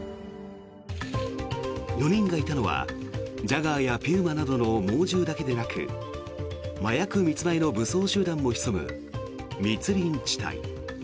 ４人がいたのはジャガーやピューマなどの猛獣だけでなく麻薬密売の武装集団も潜む密林地帯。